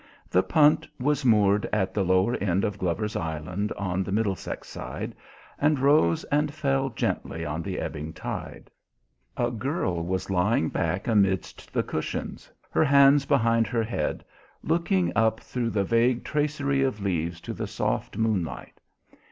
The punt was moored at the lower end of Glover's Island on the Middlesex side, and rose and fell gently on the ebbing tide. A girl was lying back amidst the cushions, her hands behind her head, looking up through the vague tracery of leaves to the soft moonlight.